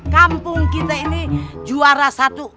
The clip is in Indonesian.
kampung kita ini juara satu